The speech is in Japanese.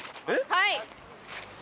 はい！